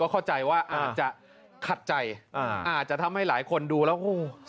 เข้าใจว่าอาจจะขัดใจอาจจะทำให้หลายคนดูแล้วโอ้โห